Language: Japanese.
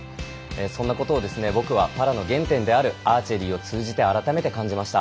そんなことを僕はパラの原点であるアーチェリーを通じて改めて感じました。